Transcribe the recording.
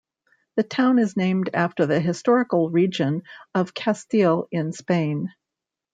The town is named after the historical region of Castile in Spain.